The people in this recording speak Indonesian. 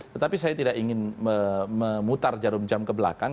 tetapi saya tidak ingin memutar jarum jam ke belakang